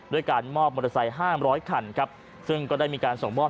ด้วยการมอบมอเตอร์ไซค์๕๐๐คันครับซึ่งก็ได้มีการส่งมอบ